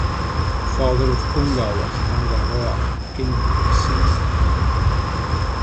Father of Punga was Tangaroa, king of the sea.